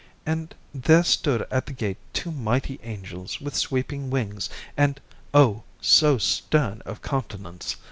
And there stood at the gate two mighty angels with sweeping wings, and, oh! so stern of countenance.